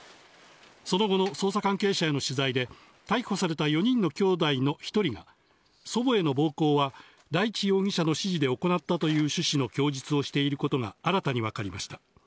その後の捜査関係者への取材で、逮捕された４人のきょうだいの１人が、祖母への暴行は大地容疑者の指示で行ったという趣旨の供述をしていることが新たにわかりました。